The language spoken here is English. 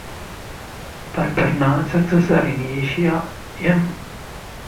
Perperna's successor in Asia, M'.